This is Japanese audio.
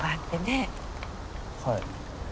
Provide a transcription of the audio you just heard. はい。